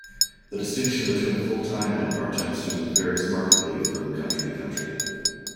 The distinction between a full-time and part-time student varies markedly from country to country.